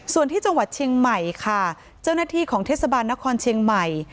ส่วนที่จังหวัดเชียงใหม่ค่ะเจ้าหน้าที่ของเทศบาลนครเชียงใหม่